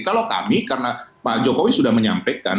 kalau kami karena pak jokowi sudah menyampaikan